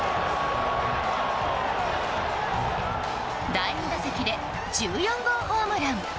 第２打席で１４号ホームラン。